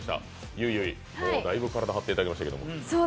ゆいゆい、だいぶ体張ってくれましたけど。